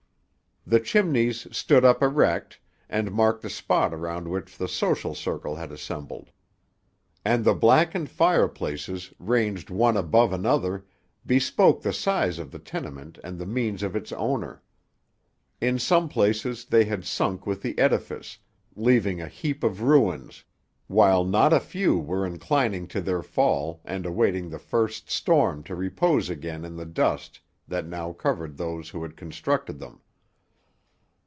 The chimneys stood up erect, and marked the spot around which the social circle had assembled; and the blackened fireplaces, ranged one above another, bespoke the size of the tenement and the means of its owner. In some places they had sunk with the edifice, leaving a heap of ruins, while not a few were inclining to their fall, and awaiting the first storm to repose again in the dust that now covered those who had constructed them.